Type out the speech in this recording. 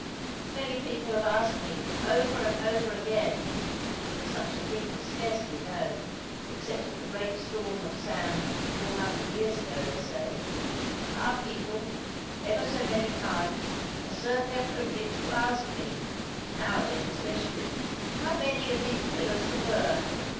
Many people have asked me, over and over again (because such a thing was scarcely known, except at the great storm of sand four hundred years ago, they say) our people, ever so many times, assert their privilege to ask me (now again especially) how many of these pillars there were!